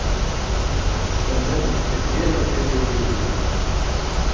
Tellam tettseggirem timliliyin.